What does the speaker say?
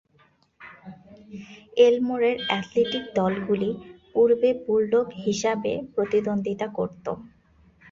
এলমোরের athletic দলগুলি পূর্বে bulldog হিসাবে প্রতিদ্বন্দ্বিতা করত।